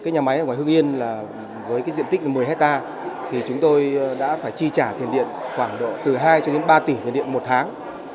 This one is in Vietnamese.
nhà máy ở ngoài hưng yên với diện tích một mươi hectare thì chúng tôi đã phải chi trả tiền điện khoảng độ từ hai ba tỷ tiền điện một tháng